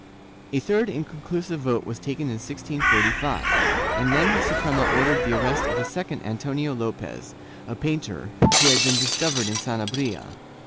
A third inconclusive vote was taken in 1645, and then the Suprema ordered the arrest of a second Antonio Lopez, a painter, who had been discovered in Sanabria.